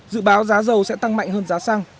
dự báo giá dầu sẽ tăng mạnh hơn giá xăng